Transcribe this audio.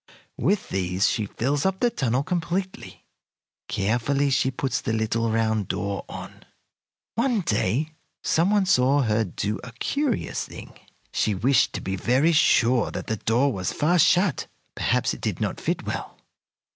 With these she fills up the tunnel completely. Carefully she puts the little round door on. One day some one saw her do a curious thing. She wished to be very sure that the door was fast shut. Perhaps it did not fit well.